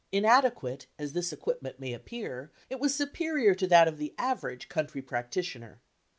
Inadequate as this equipment may appear, it was superior to that of the average country practi tioner.